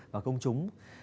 và công chúng